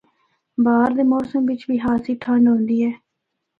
بہار دے موسم بچ بھی خاصی ٹھنڈ ہوندی اے۔